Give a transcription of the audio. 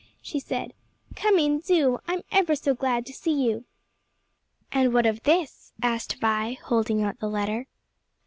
she said. "Come in, do; I'm ever so glad to see you." "And what of this?" asked Vi, holding up the letter.